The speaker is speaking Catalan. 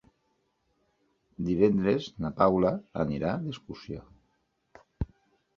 Divendres na Paula anirà d'excursió.